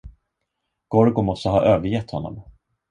Gorgo måste ha övergett honom.